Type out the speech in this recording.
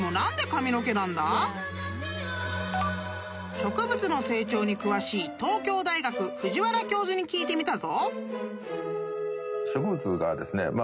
［植物の成長に詳しい東京大学藤原教授に聞いてみたぞ］